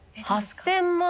８，０００万